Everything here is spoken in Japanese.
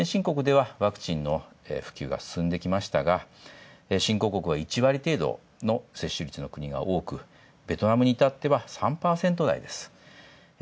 ワクチンの普及が進んできましたが新興国は１割程度の国がおおくベトナムにいたっては３％台。